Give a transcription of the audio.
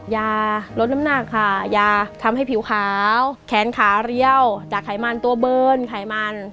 ยาลดน้ำหนักค่ะยาทำให้ผิวขาวแขนขาเรี่ยวจากไขมันตัวเบิร์นไขมัน